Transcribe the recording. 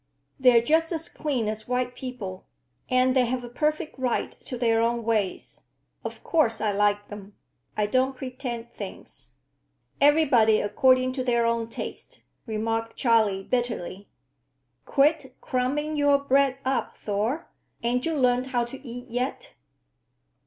"They're just as clean as white people, and they have a perfect right to their own ways. Of course I like 'em. I don't pretend things." "Everybody according to their own taste," remarked Charley bitterly. "Quit crumbing your bread up, Thor. Ain't you learned how to eat yet?"